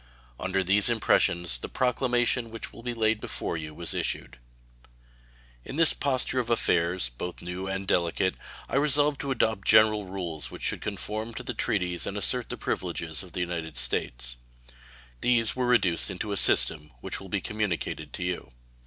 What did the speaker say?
Under these impressions the proclamation which will be laid before you was issued. In this posture of affairs, both new and delicate, I resolved to adopt general rules which should conform to the treaties and assert the privileges of the United States. These were reduced into a system, which will be communicated to you.